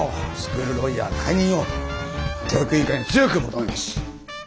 ロイヤー解任を教育委員会に強く求めます。